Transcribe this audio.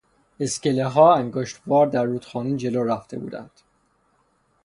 اسکلهها انگشتوار در رودخانه جلو رفته بودند.